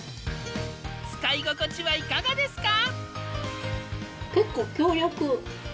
使い心地はいかがですか？